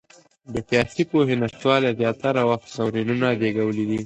د سياسي پوهي نشتوالي زياتره وخت ناورينونه زيږولي دي.